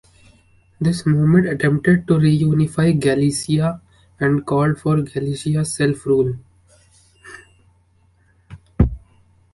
This movement attempted to re-unify Galicia and called for Galicia's self-rule.